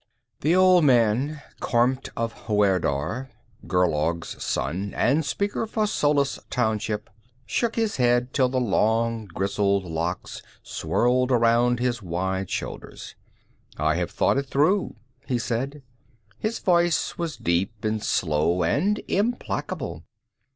The old man, Kormt of Huerdar, Gerlaug's son, and Speaker for Solis Township, shook his head till the long, grizzled locks swirled around his wide shoulders. "I have thought it through," he said. His voice was deep and slow and implacable.